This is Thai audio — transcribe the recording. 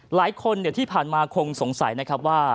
หลายคนที่ผ่านมาคงสงสัยนะครับว่า